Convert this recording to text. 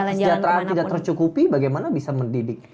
kesejahteraan tidak tercukupi bagaimana bisa mendidik